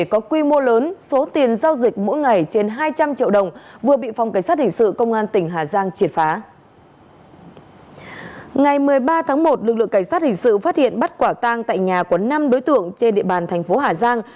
cảnh sát hình sự phát hiện bắt quả tang tại nhà của năm đối tượng trên địa bàn thành phố hà giang